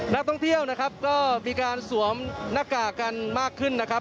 นักท่องเที่ยวนะครับก็มีการสวมหน้ากากกันมากขึ้นนะครับ